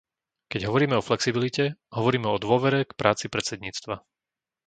Keď hovoríme o flexibilite, hovoríme o dôvere k práci predsedníctva.